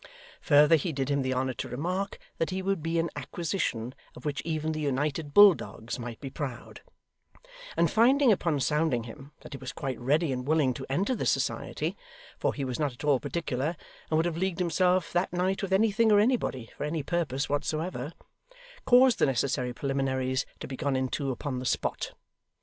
Further, he did him the honour to remark, that he would be an acquisition of which even the United Bulldogs might be proud; and finding, upon sounding him, that he was quite ready and willing to enter the society (for he was not at all particular, and would have leagued himself that night with anything, or anybody, for any purpose whatsoever), caused the necessary preliminaries to be gone into upon the spot.